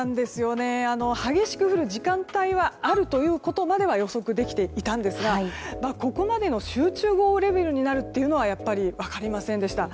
激しく降る時間帯があるということまでは予測できていたんですがここまでの集中豪雨レベルになるというのは分かりませんでした。